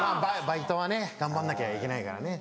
バイトはね頑張んなきゃいけないからね。